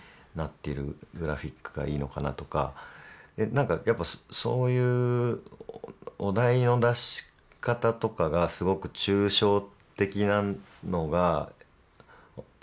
何かやっぱそういうお題の出し方とかがすごく抽象的なのがまた面白いなあと思って。